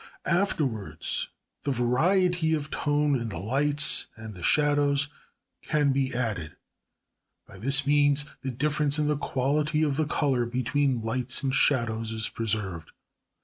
Afterwards the variety of tone in the lights and the shadows can be added. By this means the difference in the quality of the colour between lights and shadows is preserved.